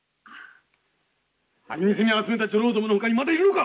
張見世に集めた女郎どものほかにまだいるのか？